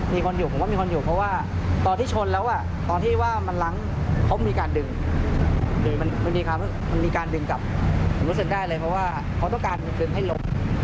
มีคนอยู่ผมก็มีคนอยู่เพราะว่าตอนที่ชนแล้วตอนที่ว่ามันล้างเขามีการดึงมันมีการดึงกลับผมรู้สึกได้เลยเพราะว่าเขาต้องการดึงให้ล้ม